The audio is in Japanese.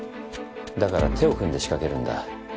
だから手を組んで仕掛けるんだ。